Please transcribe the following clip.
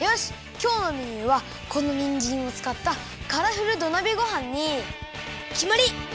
きょうのメニューはこのにんじんをつかったカラフル土鍋ごはんにきまり！